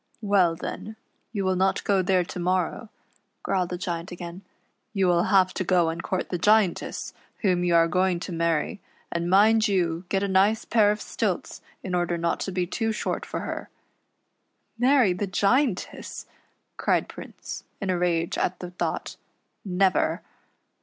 "Well, then, you will not go there to morrow," growled the Giant again. "You will have to go and court the Giantess, whom you are going to marr\', and mind you get a nice pair of stilts in order not to be too short for her." " Marry the Giantess," cried Prince, in a rage at the thought ;" never."